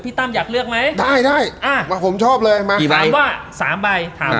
พี่ตำอยากเลือกไหมได้ได้อ่าว่าผมชอบเลยมาสามใบถาม